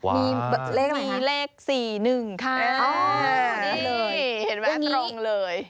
มีเลขอะไรคะมีเลข๔๑ค่ะโอ้โฮดีเห็นไหมตรงเลย